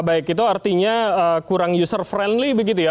baik itu artinya kurang user friendly begitu ya